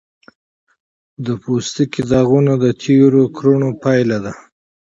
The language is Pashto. د پوستکي داغونه د تېرو کړنو پایله ده.